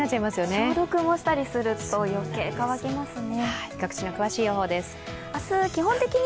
消毒もしたりすると余計乾きますね。